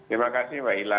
terima kasih mbak ila